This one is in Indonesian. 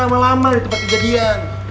lama lama di tempat kejadian